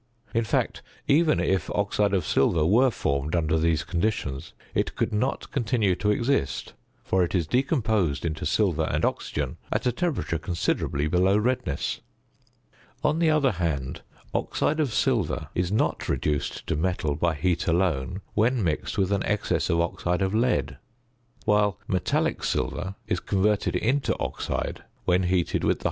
In fact, even if oxide of silver were formed under these conditions, it could not continue to exist, for it is decomposed into silver and oxygen at a temperature considerably below redness. On the other hand, oxide of silver is not reduced to metal by heat alone, when mixed with an excess of oxide of lead; while metallic silver is converted into oxide when heated with the higher oxides of lead, copper, and some other metals.